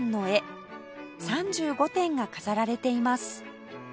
３５点が飾られています